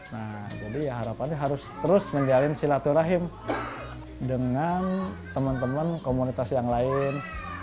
nah jadi harapan harus terus menjalin silaturahim dengan temen temen komunitas yang lain